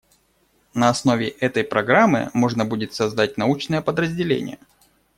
На основе этой программы можно будет создать научное подразделение.